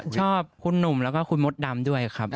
ชอบคุณหนุ่มแล้วก็คุณมดดำด้วยครับ